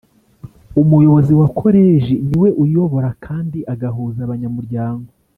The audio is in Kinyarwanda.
Umuyobozi wa Koleji ni we uyobora kandi agahuza abanyamuryango